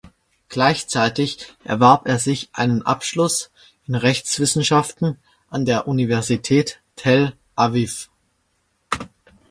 Gleichzeitig erwarb er sich einen Abschluss in Rechtswissenschaften an der Universität Tel Aviv.